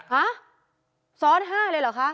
ฮะซ้อน๕เลยเหรอคะ